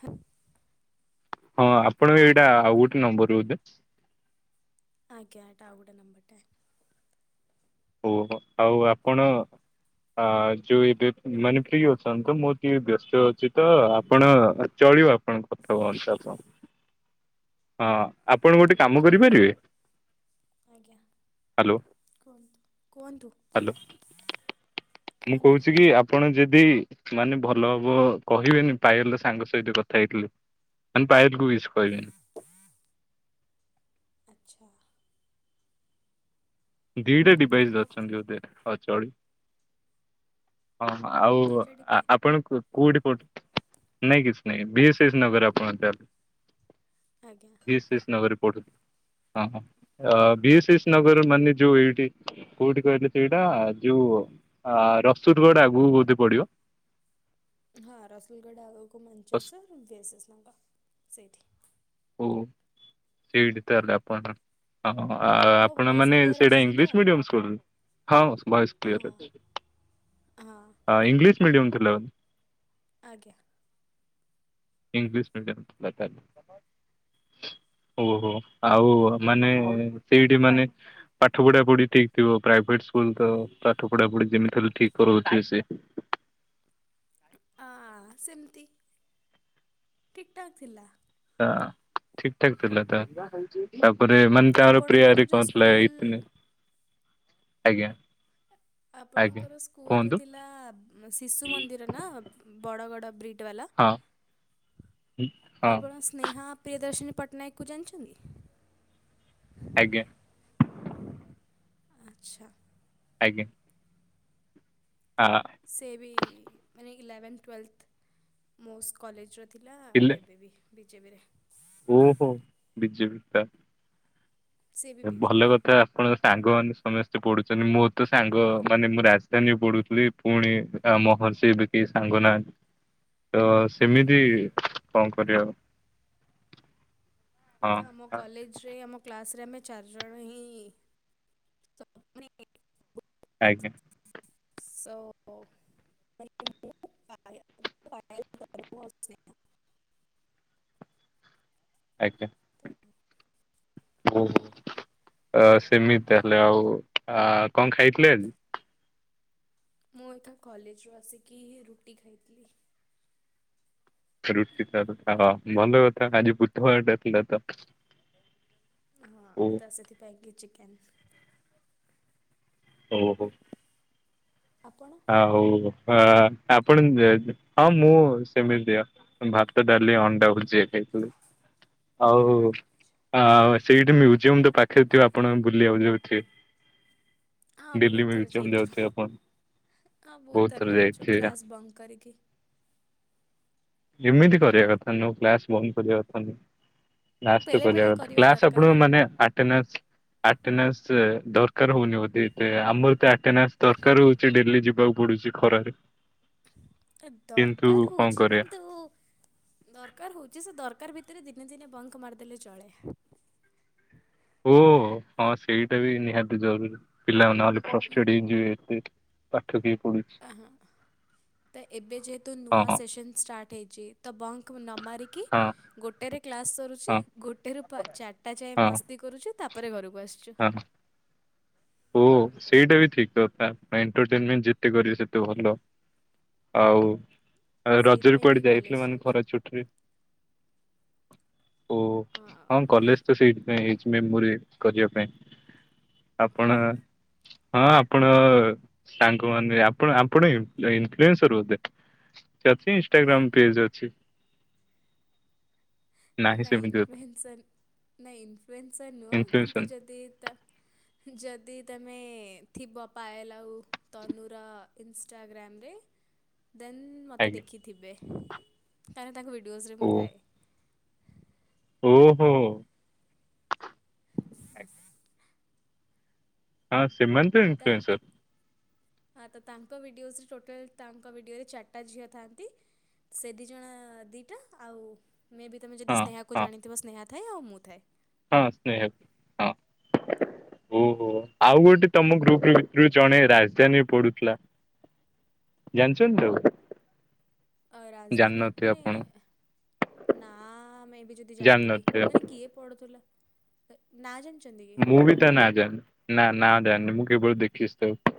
ହା ହଁ ଆପଣ ବି ଏଇଟା ଆଉ ଗୋଟେ ନମ୍ବର ବୋଧେ? ଆଜ୍ଞା ଏଇଟା ଆଉ ଗୋଟେ ନମ୍ବର ଟା। ଓହୋ ଆଉ ଆପଣ ଆ ଯୋଉ ଏବେ ମାନେ ଫ୍ରି ଅଛନ୍ତି ତ ମୋର ଟିକେ ବ୍ୟସ୍ତ ଅଛି ତ ଆପଣ ଚଳିବ କଥା [unintelligible] ହଁ ଆପଣ ଗୋଟେ କାମ କରିପାରିବେ? ଆଜ୍ଞା ହ୍ୟାଲୋ କୁହନ୍ତୁ କୁହନ୍ତୁ। ହ୍ୟାଲୋ ମୁଁ କୁହନ୍ତୁ କହୁଛି କି କୁହନ୍ତୁ ଆ ଆପଣ ଯଦି ମାନେ ଭଲ ହବ କହିବେନି ପାୟଲ ର ସାଙ୍ଗ ସହିତ କଥା ହେଇଥିଲେ। ମାନେ ପାୟଲ କୁ କିଛି କହିବେନି। ହଁ [inaudible] ଆଚ୍ଛା। ଦି ଟା ଡିଭାଇସ ଓକେ ଧରିଛନ୍ତି ବୋଧେ [unintelligible] ହଁ ଆଉ ଦିଟା ଡିବେ ଆପଣ ଙ୍କୁ କୋଉଠି ପ ନାଇଁ କିଛି ନାଇଁ ଭିଏସଏସ ନଗର ଆପଣ ତାହାଲେ। ଆଜ୍ଞା। ଭିଏସଏସ ନଗର ପଡୁ ଥି ହଁ ହଁ ଭିଏସଏସ ନଗର ରେ ମାନେ ଯୋଉ ଏଇଠି କୋଉଠି କହିଲେ ସେଇଟା ଯୋଉ ଆ ରସୁଦ ଗଡ଼ ଆଗକୁ ବୋଧେ ପଡିବ। ହଁ ରସୁଲ୍ ଗଡ ଆଗକୁ ମଞ୍ଚେଶ୍ଵର [unintelligible] ସେଇଠି। ଓ ସେଇଠି ତାହେଲେ ଆପଣ ତାଙ୍କୁ ହଁ ମୋ ଭଏସ୍ ଆପଣମାନେ କ୍ଲିଅର୍ ସେଇଟା ଆସୁଛି ତ ଇଂଲିଶ ମିଡ଼ିୟମ୍ ସ୍କୁଲ୍। ହଁ ଭ ଭଏସ୍ ହଁ କ୍ଲିୟର ଅଛି। ହଁ। ହଁ ଇଂଲିଶ ମିଡ଼ିୟମ୍ ଥିଲା ବୋଧେ। ଆଜ୍ଞା। ଇଂଲିଶ ମିଡିୟମ୍ ଥିଲା ତାହେଲେ। ଓହୋ ଆଉ ମାନେ ସେଇଠି ମାନେ ପାଠ ପଢା ପଢି ଠିକ୍ ଥିବ ପ୍ରାଇଭେଟ ସ୍କୁଲ୍ ତ ପାଠ ପଢା ପୁଢି ଯେମିତି ହେଲେ ଠିକ୍ କରଉଥିବେ ସେ। ଆ ସେମିତି ଠିକ୍ ଠାକ୍ ଥିଲା। ହଁ ଠିକ୍ ଠାକ୍ ଥିଲା ତାହେଲେ। ତାପରେ ମାନେ ତାର ଆପଣଙ୍କର ପ୍ରେୟାରେ ଯେଉଁ କଣ ଥିଲା ସ୍କୁଲ ଏଇ ଥିନେ? ଆଜ୍ଞା। ଆଜ୍ଞା ଆପଣଙ୍କର ସ୍କୁଲ୍ ଯୋ କୁହନ୍ତୁ ଥିଲା ଶିଶୁ ମନ୍ଦିର ନା ବଡ଼ଗଡ଼ ବ୍ରିଜ୍? ଓଟୋ ବାଲା ହଁ ହୁଁ, ହଁ ଆପଣ ସେ ନେହା ପ୍ରିୟଦର୍ଶିନୀ ପଟ୍ଟନାୟକକୁ ଜାଣିଛନ୍ତି। ଆଜ୍ଞା। ଆଚ୍ଛା। ଆଜ୍ଞା। [unintelligible] ସେଏବି ମାନେ ଇଲେଭେନ୍, ଟ୍ୱଏେଲ୍ଥ୍ ମୋ ସ୍କଲେଜ୍ ରେ ଥିଲା ଆଉ ଇଲେ ଏବେ ବି ବିଜେପିରେ। ଓହୋ ବିଜେପି ତା ସେ ବି ଏ ଭଲ ବିଜେପି କଥା। ଆପଣଙ୍କ ସାଙ୍ଗମାନେ ସମସ୍ତେ ପଢୁଛନ୍ତି ମୋ ତ ସାଙ୍ଗ ମାନେ ମୁଁ ରାଜଧାନୀ ରେ ପଢୁଥିଲି। ପୁଣି ଆ ମହର୍ଷି, ବିକି ସାଙ୍ଗନାହାନ୍ତି। ତ ସେମିତି କଣ କରିବା ଆଉ। ହଁ ତ ଆମ ଆ- କଲେଜ୍ ରେ ଆମ କ୍ଲାସ୍ ରେ ଆମେ ଚାରିଜଣ ହିଁ ଆଜ୍ଞା। ସ ମାନ ମୁ ପାୁଭ [unintelligible] ଆଜ୍ଞା। ତ [unintelligible] ଓ ହୋ ଆ ସେମିତି ତାହେଲେ ଆଉ ଆଉ କଣ ଖାଇଥିଲେ ଆଜି? ମୁଁ ଏଠୁ କଲେଜରୁ ଆସିକି ରୁଟି ଖାଇଥିଲି। ରୁଟି [unintelligible] ଭଲ କଥା ଆଜି ବୁଧବାରଟା ଥିଲା ତ। ହଁ ଓ ତ ସେଥିି ପାଇଁ କି ଚିକେନ୍ ଓହୋ। ଆପଣ? ଆଉ ଆ ଆପଣ ଦେ ହଁ ମୁଁ ସେମିତି ଦିଅ। ଭାତ, ଡାଲି, ଅଣ୍ଡା ଭୁଜିଆ ଖାଇଥିଲୁ। ଆଉ ଆଉ ସେଇଠି ମିଉଜୀୟମ ତ ପାଖରେ ଥିବ ଆପଣ ବୁଲିବାକୁ ଯାଉଥିବେ? ହଁ ଡେଲି ବହୁତ୍ ଥର ମ୍ୟୁଜିୟମ ଯାଇଚୁ ଯାଉଥିବେ ଆପଣ ହଁ ବହୁତ୍ ବହୁତ ଥର ଯାଇଛୁ ଯାଇଥିବେ। କ୍ଲାସ୍ ବନ୍ଦ କରିକି। ଏମିତି କରିବା କଥା [unintelligible] କ୍ଲାସ୍ ବନ୍ଦ କରିବା କଥା ନୁହେଁ। କ୍ଲାସ୍ ତ ବେଳେ କରିଆ ବେଳେ କଥା କରିବା କ୍ଲାସ୍ ଆପଣଙ୍କୁ ଦରକାର ମାନେ ଆଟେନାନ୍ସ୍ ଆଟେନାନ୍ସେ ଦରକାର୍ ହଉନି ବୋଧେ [unintelligible] ଆମର ତ ଆଟେନାନ୍ସ ଦରକାର୍ ହଉ ଯେ ଡେଲି ଯିବାକୁ ପଡ଼ୁଚି ଖରାରେ। ଏ କିନ୍ତୁ ଦରକାର୍ କଣ ହଉଚି କରିବା। କିନ୍ତୁ ଉ ଦରକାର୍ ହଉଚି ସେ ଦରକାର୍ ଭିତରେ ଦିନେ ଦିନେ ବଙ୍କ୍ ମାରିଦେଲେ ଚଳେ। ଓ ହଁ ସେଇଟା ବି ନିହାତି ଜରୁରୀ ପିଲାମାନେ ନହେଲେ ଫ୍ରଷ୍ଟେଡ୍ ହେଇଯିବେ ଏତେ ପାଠ କିଏ ପଢୁଛି? ଆ ହାଁ। ତ ଏବେ ଯେହେତୁ ନୂଆ ହଁ ସେସନ୍ ଷ୍ଟାର୍ଟ ହେଇଚି ତ ବଙ୍କ୍ ନ ମାରିକି ହଁ ଗୋଟେରେ କ୍ଲାସ୍ ସରୁଚି ହଁ ଗୋଟେରୁ ଚାରିଟା ଯାଏ ହଁ ମସ୍ତି କରୁଚୁ ତାପରେ ଘରକୁ ଆସ୍ଚୁ। ହଁ ଓ ସେଇଟା ବି ଠିକ୍ କଥା ଏଣ୍ଟରଟେନ୍ମେନ୍ ଯେତେ କରିବେ ସେତେ ଭଲ। ଆଉ ରଜରେ ସେଇଥିପାଇଁ କି କୁଆଡେ କଲେଜ ଯାଇଥିଲେ ମାନେ ଯାଉଛୁ ଖରା ଛୁଟିରେ? ଓ ହଁ କଲେଜ୍ ତ ସେଇଥିପାଇଁ ହେଇଚି ମେମୋରି କରିଆ ପାଇଁ ଆପଣ ହଁ ଆପଣ ସାଙ୍ଗମାନେ ଆପଣ ଆପଣ ଇନ୍ଫ୍ଲୁଏନ୍ସର୍ ବୋଧେ? [unintelligible] ଇନଷ୍ଟାଗ୍ରାମ୍ ପେଜ୍ ଅଛି? ନାହିଁ ନାଇଁ ସେମିତି ବୋଧେ ଇନ୍ଫ୍ଲୁଏନ୍ସନ୍ ନାଇ ଇନ୍ଫ୍ଲୁଏନ୍ସର୍ ନୁଅ କିନ୍ତୁ ଇନଫ୍ଲୁଏନ୍ସର ଯଦି ଏ ତା ଯଦି ତମେ ଥିବ ପାଏଲ୍ ଆଉ ତନୁର ଇନଷ୍ଟାଗ୍ରାମ୍ ରେ ଦେନ୍ ମୋତେ ଆଜ୍ଞା ଦେଖିଥିବେ କାହିଁ ନା ତାଙ୍କ ଭିଡିଓଜ୍ ରେ ମୁଁ ଓ ଥାଏ। ଓହୋ। [inaudible] ଆ ସିମାନ୍ ତାଙ୍କ୍ ଆ ତ ତାଙ୍କ ଭିଡ଼ିଓସ୍ [unintelligible] ଟୋଟାଲ୍ ତାଙ୍କ ଭିଡ଼ିଓରେ ଚାର୍ ଟା ଝିଅ ଥାଆନ୍ତି। ସେ ଦି ଜଣ ଆ ଦି ଟା ଆଉ ମେ ବି ତମେ ହଁ ଯଦି ସ୍ନେହାକୁ ହଁ ଜାଣିଥିବ ସ୍ନେହା ଥାଏ ଆଉ ମୁଁ ଥାଏ। ହଁ ସ୍ନେହା ହଁ। ଓହୋ ଆଉ ଗୋଟେ ତମ ଗ୍ରୁପୁ ଭିତରୁ ଜଣେ ରାଜଧାନୀ ପଢ଼ୁଥିଲା ଜାନ୍ ଛନ୍ତି ତାକୁ? ଅ ରାଜଧାନୀ ଜାଣିନଥିବେ ମାନେ ଆପଣ ଏ-ଏ ନା ମେ ବି ଯଦି ଜାଣିଥିବି ଜାଣିନଥିବେ ଆପଣ। ମାନେ କିଏ ପଡ଼ୁଥିଲା ନା ଜାଣିଛନ୍ତି ମୁଁ କି? ବି ତା ନାଁ ଜାଣିନି ନା ନାଁ ଜାଣିନି ମୁଁ କେବଳ ଦେଖିଚି ତାକୁ।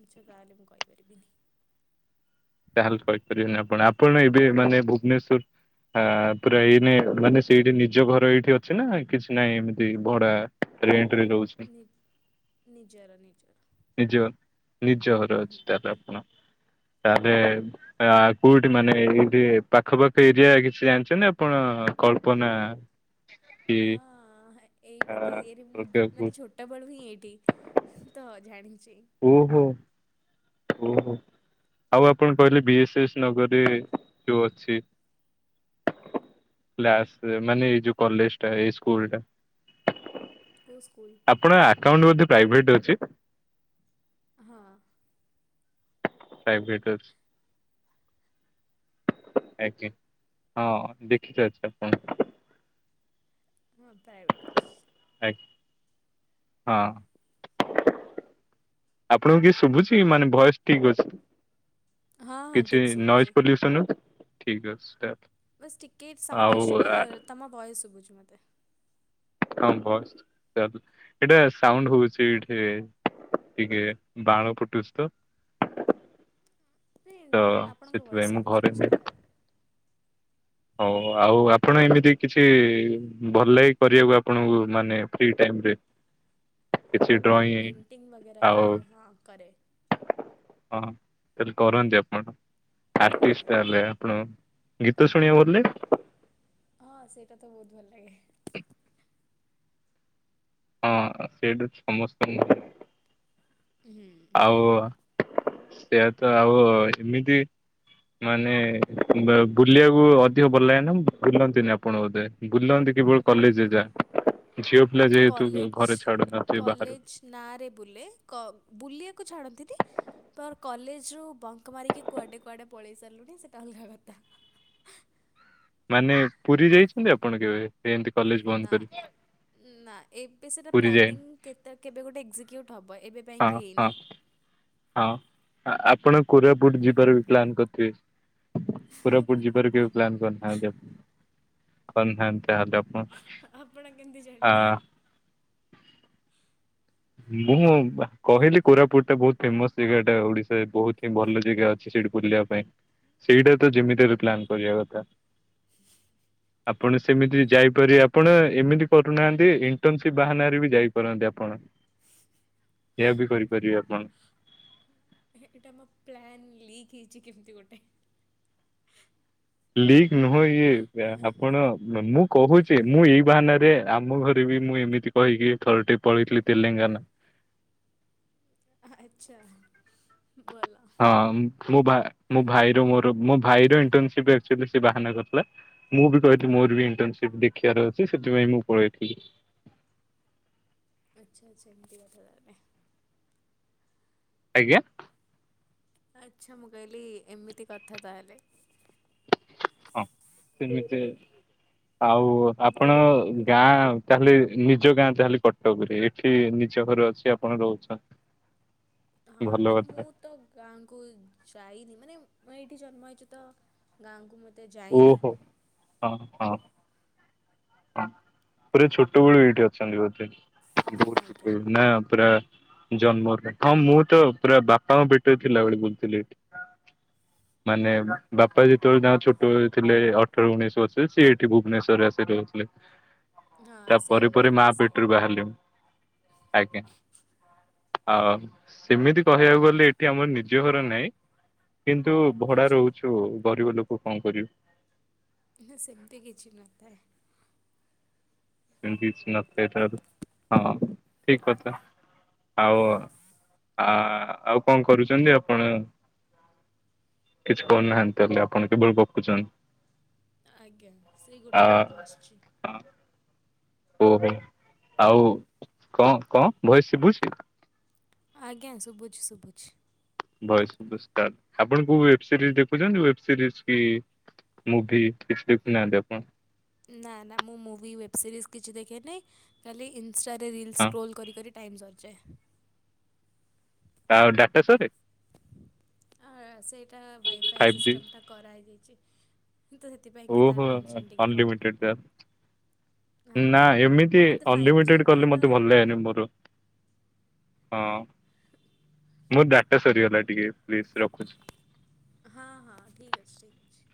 ଆଚ୍ଛା ତାଏଲେ ମୁଁ କଇପାରିବିନି। ତାହେଲେ କହିପାରିବେନି ଆପଣ ଆପଣ ଏବେ ମାନେ ଭୁବନେଶ୍ଵର୍ ଆ ପୁରା ଏଇନେ ମାନେ ସେଇଠି ନିଜ ଘର ଏଇଠି ଅଛି ନା କିଛି ନାଇଁ ଏମିତି ଭଡା ରେଣ୍ଟ୍ ରେ ରହୁଛ୍ ନି ନିଜର ନିଜର। ନିଜ ନିଜ ଘରେ ହୁଁ ଅଛି ତାହଲେ ଆପଣ ତାହେଲେ ଆଜ୍ଞା ଆ କୋଉଠି ମାନେ ଏଇଠି ପାଖ ପାାଖ ଏରିଆ କିଛି ଜାଣିଛନ୍ତି ଆପଣ କଳ୍ପନା [unintelligible] କି ହଁ ଏଇ ଆ ପଟେ ଏରିଆରେ ମୁଁ ଓହୋ ମାନେ ଛୋ ଟବେଳୁ ହିଁ ଏଇଠି ତ ଜାଣିଚି। ଓହୋ। ଓ ହୋ ଆଉ ଆପଣ କହିଲେ ବି ଏସ୍ ଏସ୍ ନଗର ରେ ଯୋଉ ଅଛି କ୍ଲାସରେ ମାନେ ଏଇ ଯୋଉ କଲେଜ ଟା ଏଇ ସ୍କୁଲ ଟା କୋଉ ସ୍କୁଲ? ଆପଣଙ୍କ ଆକାଉଣ୍ଟ ବୋଧେ ପ୍ରାଇଭେଟ ଅଛି ହଁ ପ୍ରାଇଭେଟ୍ ଅଛି ଆଜ୍ଞା ହଁ ଦେଖିତେ ଅଛି ଆପଣ ହଁ ପ୍ରାଇଭେଟ୍ ଅଛି ଆଜ୍ଞା ହଁ ଆପଣଙ୍କୁ କିଏ ଶୁଭୁଛି ମାନେ ଭ ଏସ ଠିକ ଅଛି ହଁ ହଁ କିଛି ଠିକ୍ ଶୁଭୁଛି। ନଏଜ ପଲ୍ୟୁସନ ଠିକ ଅଛି ବାସ୍ ଟିକିଏ ସାଉଣ୍ଡ ଆଉ ଆସୁଛି ବା ଆ ତମ ଭ ଏସ ଶୁଭୁଛି ମୋତେ ହଁ ବସ୍ ଚା ଏଟା ସାଉଣ୍ଡ ହଉଛି ଏଠି ଟିକେ ବାଣ ଫୁଟୁଛି ତ ନାଇ ତ ଆପଣଙ୍କ ସେଥିପାଇଁ ବୟସେ ମୁଁ ଶୁଭୁଚି ଘରେ କିଛି ନାହିଁ ହଉ ଆଉ ଆପଣ ଏମିତି କିଛି ଭଲ ଲାଗେ କରିବାକୁ ଆପଣଙ୍କୁ ମାନେ ଫ୍ରି ଟାଇମରେ ମୁଁ ପେଣ୍ଟିିଂ ବଗେରା ଆଉ କରେ ହଁ କରେ ହଁ ତାହେଲେ କରନ୍ତି ଆପଣ ଆଟିଷ୍ଟ ଆଜ୍ଞା। ତାହେଲେ ଆପଣ ଗୀତ ଶୁଣିବା କୁ ଭଲ ଲାଗେ ହଁ ସେଇଟା ତ ବହୁତ ଭଲ ଲାଗେ ହଁ ସେଇଡ ସମସ୍ତ ହୁଁ ଆଉ ସେଆ ତ ଆଉ ଏମିତି ମାନେ ବା ବୁଲିବାକୁ ଅଧିକ ଭଲ ଲାଗେ ନା ବୁଲନ୍ତିନି ଆପଣ ବୋଧେ ବୁଲନ୍ତି କିବଳ କଲେଜ ଯା ଝିଅ ପିଲା ଯେହେତୁ ଘରେ ଛାଡୁ ନଥିବେ ବାହାରୁ ନା ରେ ବୁଲେ କ ବୁଲିବାକୁ ଛାଡ଼ନ୍ତି ପର କଲେଜରୁୁ ବଙ୍କ ମାରିକି କୁଆଡ଼େ କୁଆଡ଼େ ପଳେଇ ସାରିଲୁଣି ସେଇଟା ଅଲଗା କଥା ମାନେ ପୁରୀ ଯାଇଛନ୍ତି ଆପଣ କେବେ? ଏମିତି କଲେଜ ବନ୍ଦ ନା କରି ନା ଏବେ ସେଟା ପୁରୀ ଯାଇନି ପ୍ଲାନିଂ କେତେ କେବେ ଗୋଟେ ଏକ୍ଜିକ୍ୟୁଟ ହବ ଏବେ ହଁ ପାଇଁକି ହଁ ହେଇନି। ହଁ ଆପଣ କୋରାପୁଟ ଯିବାର ବି ପ୍ଲାାନ କରିଥିବେ କୋରାପୁଟ ଯିବାର କେବେ ପ୍ଲାନ କରିନାହାନ୍ତି ଆ ଆପଣ କେମିତି [unintelligible] ହଁ ହଁ ଜାଣିଲେ? ମୁଁ କହିଲି କୋରାପୁଟ ଟା ବହୁତ ଫେମସ ଜାଗା ଏଟା ଓଡିଶାରେ ବହୁତ ଭଲ ଜାଗା ଅଛି ସେଇଠି ବୁଲିବା ପାଇଁ ସେଇଟା ତ ଯେମିତିରେ ପ୍ଲାନ୍ କରିବା କଥା ହ ଆପଣ ସେମିତି ଯାଇପାରିବେ ଆପଣ ଏମିତି କରୁନାହାନ୍ତି ଇଣ୍ଟର୍ନସିପ୍ ବାହାନାରେ ବି ଯାଇପାରନ୍ତି ଆପଣ [inaudible] ଏହା ବି କରିପାରିବେ ଆପଣ ଏଇଟା ମୋ ପ୍ଲାନ୍ ଲିକ୍ ହେଇଛି କେମିତି ଗୋଟେ ଲିକ ନୁହେଁ ଇଏ ଆପଣ ମୁଁ କହୁଛି ମୁଁ ଏଇ ବାହାନାରେ ଆମ ଘରେ ବି ମୁଁ ଏମିତି କହିକି ଥର ଟେ ପଳେଇଥିଲି ତେଲେଙ୍ଗାନା ଆ ହା ଆଚଛା ବୋଲ ହଁ ମୋ -ଭା-ମୋ-ଭାଇର ମୋର -ମୋ ଭାଇର ଇଣ୍ଟନସିପ୍ ଅଛି ବୋଲି ସେ ବାହାନା କରିଥିଲା। ମୁଁ ବି କହିଥିଲି ମୋର ବି ଇଣ୍ଟନସିପ୍ ଦେଖିବାର ଅଛି ସେଥିପାଇଁ ମୁଁ ପଳେଇଥିଲି। ଆଚ୍ଛା ଆଚ୍ଛା ଏମିତି କଥା ତାହାଲେ। ଆଜ୍ଞା। ଆଚ୍ଛା ମୁଁ କହିଲି ଏମିତି କଥା ତାହେଲେ। ହଁ ସେମିତି- ଆଉ ଆପଣ ଭଲ ଭଲ ଗାଁ ତାହେଲେ ନିଜ ଗାଁ ତାହେଲେ କଟକରେ ଏଠି ନିଜ ଘରେ ଅଛି ଆପଣ ରହୁଚନ୍ତି? ହଁ ମାନେ ମୁଁ ତ ଗାଁକୁ ଯାଇନି ମାନେ ଏଇଠି ଜନ୍ମ ହେଇଚି ତ ଗାଁକୁ ମୁଁ ଏତେ ଯାଇନି। ଓ ହୋ ପୁରା ଛୋଟ ବଳୁ ଏଇଠି ଅଛନ୍ତି ବୋଧେ? ଆଜ୍ଞା [inaudible] ନା ପୁରା ଜନ୍ମରୁ ହଁ ମୁଁ ତ ପୁରା ବାପାଙ୍କ ପେଟରେ ଥିଲା ବଳେ ବୁଲୁଥିଲି ଏଠି। ମାନେ ବାପା ଯେତେବେଳେ ତାଙ୍କ ଛୋଟ୍ [unintelligible] ଥିଲେ ଅଠର ଉଣେଇଶ [unintelligible] ସିଏ ଏଠି ଭୁବନେଶ୍ୱରରେ ଆସିି ରହୁଥିଲେ। ହଁ ତା ସେମ୍ ପରେ ପରେ ମୋର ମା ବି ସେଇଆ ପେଟରୁ ବାହାରିଲି- ଆଜ୍ଞା। ଆଉ ସେମିତି କହିବାକୁ ଗଲେ ଏଠି ଆମର ନିଜ ଘର ନାହିଁ କିନ୍ତୁ ଭଡା ଆଚ୍ଛା ରହୁଚୁ ଗରିବ ଲୋକ କଣ କରିବୁ। ନା ସେମିତି କିଛି ନଥାଏ। ସେମିତି କିଛି ନଥାଏ [unintelligible] ହଁ ଠିକ୍ କଥା। ଆଉ ଆ- ଆଉ କଣ କରୁଚନ୍ତି ଆପଣ? କିଛି କରୁନାହାନ୍ତି ତାହେଲେ ଆପଣ କେବଳ ଗପୁଚନ୍ତି। ଆଜ୍ଞା ସେଇ ଗୋଟେ କାମ ଆସିଚି। ଓହୋ ଆଉ କଣ କଣ ଭଏସ୍ ଶୁବୁଚି? ଆଜ୍ଞା ଶୁବୁଚି ଶୁବୁଚି। ଭଏସ୍ ଶୁବୁଚି ତାହେଲେ -ଆପଣ କଉ ୱେବ୍ ସିରିଜ୍ ଦେଖୁଚନ୍ତି ୱେବ୍ ସିରିଜ୍ କି ମୁଭି କିଛି ଦେଖୁନାହାନ୍ତି ଆପଣ? ନା ନା ମୁଁ ମୁଭି, ୱେବ୍ ସିରିଜ୍ କିଛି ଦେଖେନି ଖାଲି ଇନଷ୍ଟା ରେ ରିଲ୍ସ୍ ହଁ ସ୍କ୍ରୋଲ୍ କରି କରି ଟାଇମ୍ ସରିଯାଏ। ଆଉ ଡାଟା ସରେ? ଆ- ସେଇଟା ୱାଇଫାଇ ଫାଇଭ ଜି ସିଷ୍ଟମ୍ ଟା କରାହେଇଯାଇଚି। ଓହୋ ଅନଲିମିଟେଡ୍ ହଁ। ତାହାଲେ। ନା ଏମିତି ଏତେ ଫାଇଭ୍ ଜି ଅନଲିମିଟେଡ୍ ବି କଲେ ତ ମତେ ଭଲ ଲାଗେନି ମୋର। ହଁ ମୋ ଡାଟା ସରିଗଲା ଟିକେ ପ୍ଲିଜ୍ ରଖୁଚି। ହଁ ହଁ ଠିକ୍ ଅଛି ଠିକ୍ ଅଛି।